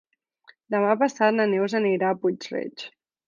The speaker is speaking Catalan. Demà passat na Neus anirà a Puig-reig.